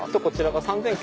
こちらが。